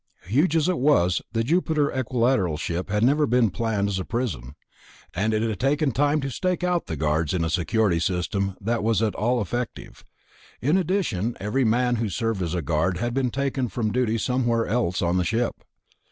Huge as it was, the Jupiter Equilateral ship had never been planned as a prison, and it had taken time to stake out the guards in a security system that was at all effective. In addition, every man who served as a guard had been taken from duty somewhere else on the ship.